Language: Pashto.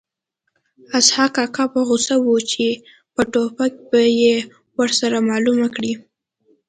اسحق کاکا په غوسه و چې په ټوپک به یې ورسره معلومه کړي